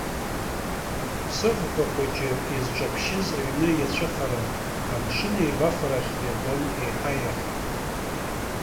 Сыӷба хәыҷы, изҿаԥшьыз аҩны иацәыхаран, амшын еибафарахь иагон еиҳа-еиҳа.